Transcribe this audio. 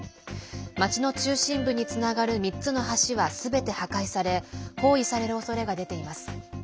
町の中心部につながる３つの橋はすべて破壊され包囲されるおそれが出ています。